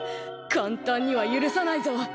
簡単には許さないぞ。